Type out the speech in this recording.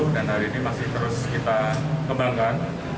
dan hari ini masih terus kita kembangkan